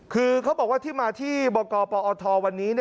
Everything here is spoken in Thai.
คือเขาบอกว่าที่มาที่บกปอทวันนี้